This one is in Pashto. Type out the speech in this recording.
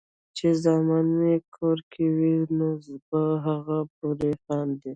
چې زامن مې کور وي نو پۀ هغې پورې خاندي ـ